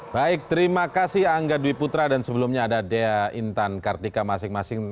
baik terima kasih angga dwi putra dan sebelumnya ada dea intan kartika masing masing